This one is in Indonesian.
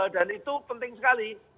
dan itu penting sekali